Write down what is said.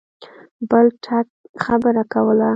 بل ټک خبره کوله.